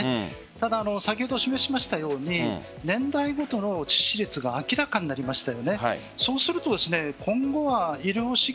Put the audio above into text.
ただ、先ほど示しましたように年代ごとの致死率が明らかになりました。